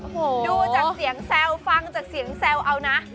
ดูจากเสียงแซวฟังฟ้าเสียงแซวอ๋านะ